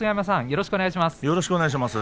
よろしくお願いします。